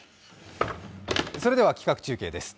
それでは企画中継です。